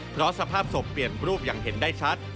เพราะสภาพศพเปลี่ยนรูปอย่างเห็นได้ชัด